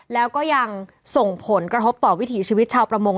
แล้วก็ยังส่งผลกระทบต่อวิถีชีวิตชาวประมง